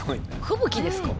吹雪ですか？